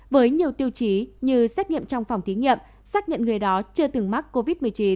với nhiều tiêu chí như xét nghiệm trong phòng thí nghiệm xác nhận người đó chưa từng mắc covid một mươi chín